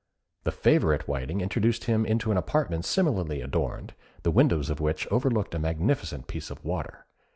The favourite Whiting introduced him into an apartment similarly adorned, the windows of which overlooked a magnificent piece of water.